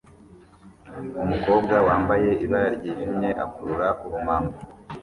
umukobwa wambaye ibara ryijimye akurura urumamfu